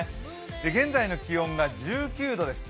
現在の気温が１９度です。